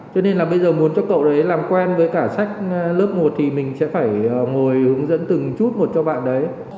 cho nên là bây giờ muốn cho cậu đấy làm quen với cả sách lớp một thì mình sẽ phải ngồi hướng dẫn từng chút một cho bạn đấy